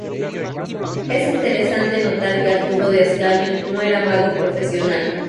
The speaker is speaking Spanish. Es interesante notar que Arturo de Ascanio no era mago profesional.